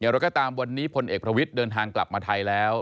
เราก็ตามวันนี้พลเอกประวิทย์เดินทางกลับมาไทยแล้ว